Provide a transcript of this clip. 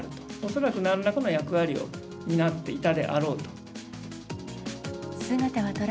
恐らくなんらかの役割を担っていたであろうと。